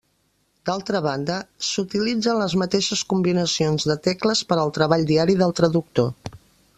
D'altra banda, s'utilitzen les mateixes combinacions de tecles per al treball diari del traductor.